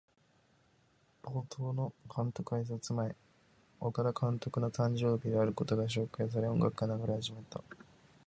冒頭の監督あいさつの前、岡田監督の誕生日であることが紹介され、音楽が流れ始めた。